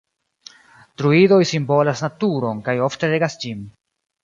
Druidoj simbolas naturon kaj ofte regas ĝin.